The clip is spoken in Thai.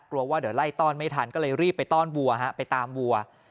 กลัวว่าเดี๋ยวไล่ต้อนไม่ทันก็เลยรีบไปต้อนวัวฮะไปตามวัว